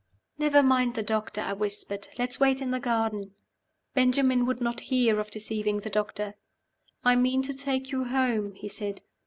"Never mind the doctor," I whispered. "Let's wait in the garden." Benjamin would not hear of deceiving the doctor. "I mean to take you home," he said.